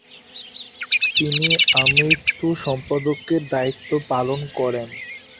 তিনি আমৃত্যু সম্পাদকের দায়িত্ব পালন করেন।